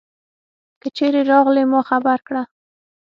که چیری راغلي ما خبر که